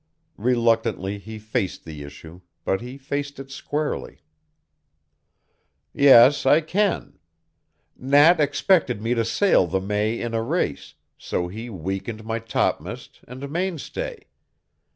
Reluctantly he faced the issue, but he faced it squarely. "Yes, I can. Nat expected me to sail the May in a race, so he weakened my topm'st and mainstay.